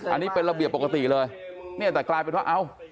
อันนี้เป็นระเบียบปกติเลยเนี่ยแต่กลายเป็นว่าเอ้า